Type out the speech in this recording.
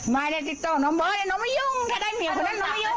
ไม่ได้ติดต่อน้องบอยน้องไม่ยุ่งถ้าได้เมียคนนั้นน้องไม่ยุ่ง